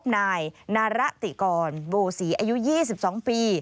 นาระติกรโบสีอายุ๒๒ปี